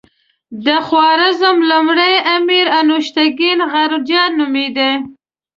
د خوارزم لومړی امیر انوشتګین غرجه نومېده.